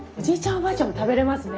おばあちゃんも食べれますね。